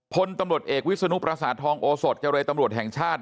พลตำรวจเอกวิศนุปราสาททองโอสดเจรตำรวจแห่งชาติ